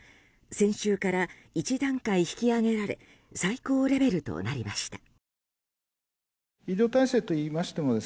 先週から１段階引き上げられ最高レベルとなりました。